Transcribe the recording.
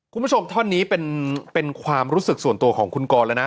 ท่อนนี้เป็นความรู้สึกส่วนตัวของคุณกรแล้วนะ